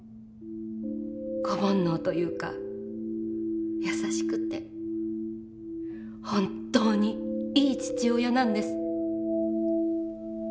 子ぼんのうというか優しくて本当にいい父親なんです。